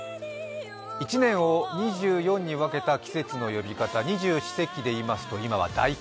１年を２４に分けた季節の呼び方、二十四節気でいいますと今は大寒。